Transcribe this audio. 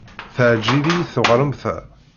Teɛjeb-iyi teɣremt-a.